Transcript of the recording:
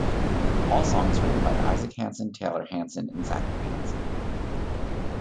All songs written by Isaac Hanson, Taylor Hanson and Zachary Hanson.